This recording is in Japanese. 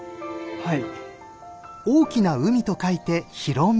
はい。